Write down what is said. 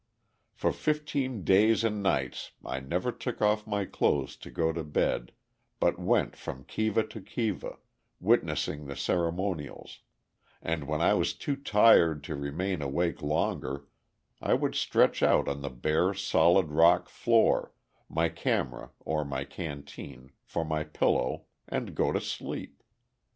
For fifteen days and nights I never took off my clothes to go to bed, but went from kiva to kiva, witnessing the ceremonials, and when I was too tired to remain awake longer, I would stretch out on the bare, solid rock floor, my camera or my canteen for my pillow, and go to sleep.